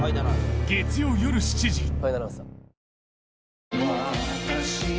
月曜夜７時